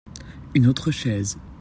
Une autre chaise.